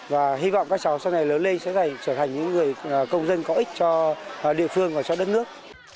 và hy vọng các cháu sau này lớn lên sẽ trở thành những người công dân có ích cho địa phương và cho đất nước